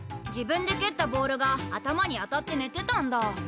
自分でけったボールが頭に当たってねてたんだ。